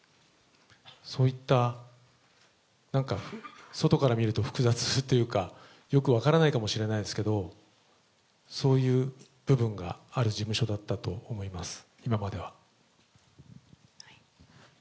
そういったなんか外から見ると複雑というか、よく分からないかもしれないですけど、そういう部分がある事務所だったと思います、今までは。